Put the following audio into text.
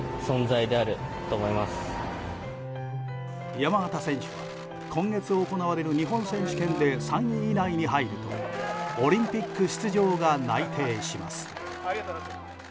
山縣選手は今月行われる日本選手権で３位以内に入るとオリンピック出場が内定します。